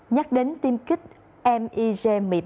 nhắc đến tiêm kích mig một mươi bảy